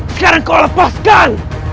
sekarang kau lepaskan